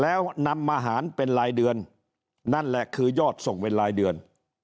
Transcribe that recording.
แล้วนำมาหารเป็นรายเดือนนั่นแหละคือยอดส่งเป็นรายเดือน